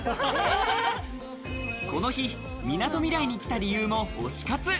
この日、みなとみらいに来た理由も推し活。